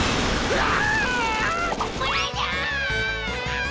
うわ！